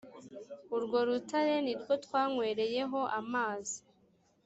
urwo rutare nirwo twanywereyeho amazi